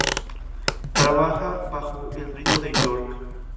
Trabaja bajo el Rito de York.